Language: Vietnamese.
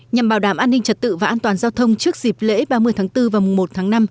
nhằm bảo đảm an ninh trật tự và an toàn giao thông trước dịp lễ ba mươi tháng bốn và mùa một tháng năm